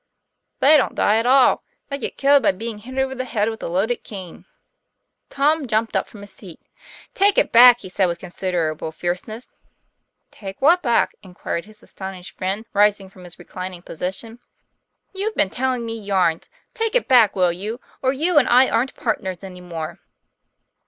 "They don't die at all; they get killed by being hit over the head with a loaded cane." Tom jumped up from his seat. "Take it back," he said, with considerable fierce ness. " Take what back ?" inquired his astonished friend rising from his reclining position. TOM PLA YFAIR. 59 "You've been telling me yarns. Take it back, will you, or you and I aren't partners any more."